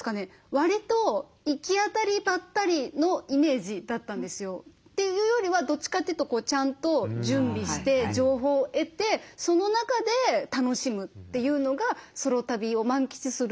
わりと行き当たりばったりのイメージだったんですよ。というよりはどっちかというとちゃんと準備して情報を得てその中で楽しむというのがソロ旅を満喫するすべかなと思いましたね。